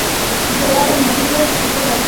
ঘোড়া ও মাদী ঘোড়াটি ছুটতে লাগল।